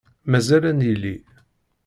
Mazal ad nili.